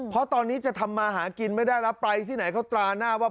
เพราะตอนนี้จะทำมาหากินไม่ได้แล้วไปที่ไหนเขาตราหน้าว่า